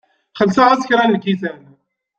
Xellṣeɣ-as kra n lkisan.